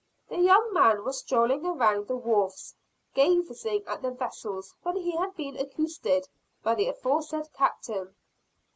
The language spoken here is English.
The young man was strolling around the wharves, gazing at the vessels when he had been accosted by the aforesaid captain.